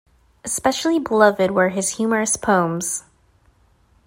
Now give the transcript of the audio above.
Especially beloved were his humorous poems.